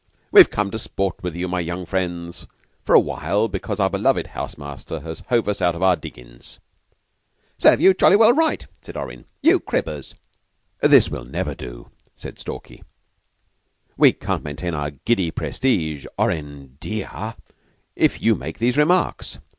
"We've come to sport with you, my young friends, for a while, because our beloved house master has hove us out of our diggin's." "'Serve you jolly well right," said Orrin, "you cribbers!" "This will never do," said Stalky. "We can't maintain our giddy prestige, Orrin, de ah, if you make these remarks."